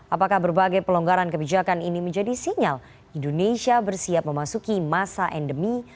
apakah berbagai pelonggaran kebijakan ini menjadi sinyal indonesia bersiap memasuki masa endemi